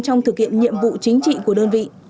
trong thực hiện nhiệm vụ chính trị của đơn vị